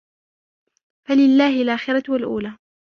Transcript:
فلله الآخرة والأولى